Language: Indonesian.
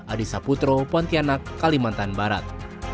adisa putro pontianak kalimantan barat